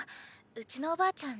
うちのおばあちゃん